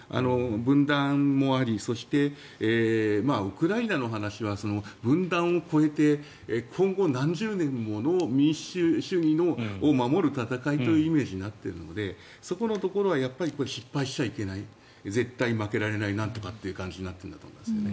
分断もありそしてウクライナの話は分断を超えて今後何十年もの民主主義を守る戦いというイメージになっているのでそこのところは失敗してはいけない絶対負けられないなという感じになってきているんだと思いますね。